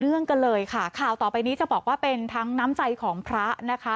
งกันเลยค่ะข่าวต่อไปนี้จะบอกว่าเป็นทั้งน้ำใจของพระนะคะ